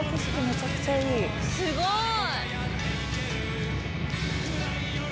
すごい。